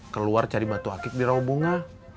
keluar cari batu akib di rawa bunga